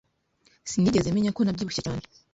Sinigeze menya ko nabyibushye cyane